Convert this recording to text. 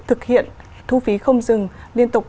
thực hiện thu phí không dừng liên tục